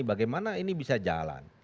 bagaimana ini bisa jalan